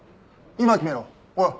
今決めろおい。